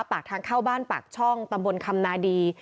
ปากทางเข้าบ้านปากช่องตำบลคำนาดี